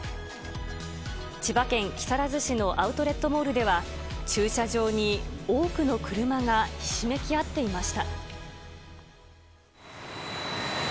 千葉県木更津市のアウトレットモールでは、駐車場に多くの車がひしめき合っていました。